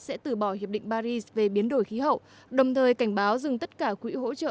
sẽ từ bỏ hiệp định paris về biến đổi khí hậu đồng thời cảnh báo dừng tất cả quỹ hỗ trợ